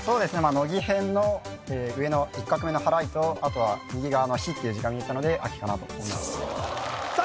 のぎへんの上の一画目のはらいとあとは右側の「火」っていう字が見えたので「秋」かなと思いましたさあ